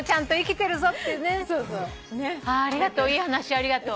ありがとう。